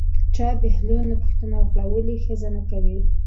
چا بهلول نه پوښتنه وکړه ولې ښځه نه کوې.